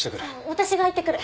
私が行ってくる。